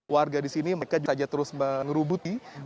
warga di sini mereka terus mengerubuti